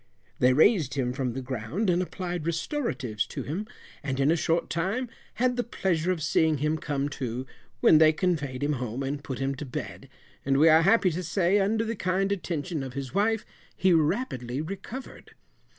They raised him from the ground, and applied restoratives to him, and in a short time had the pleasure of seeing him come too, when they conveyed him home and put him to bed, and we are happy to say under the kind attention of his wife he rapidly recovered.